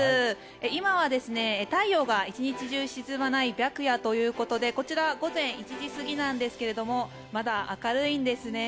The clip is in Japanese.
今は太陽が１日中沈まない白夜ということでこちら、午前１時過ぎなんですがまだ明るいんですね。